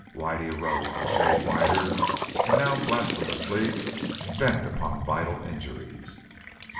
Whitey arose a shade whiter, and now blasphemously bent upon vital injuries.